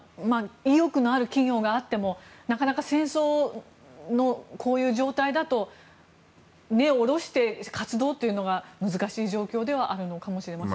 意欲のある企業があってもなかなか戦争のこういう状態だと根を下ろして活動というのが難しい状況であるのかもしれません。